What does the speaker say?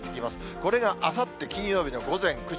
これがあさって金曜日の午前９時。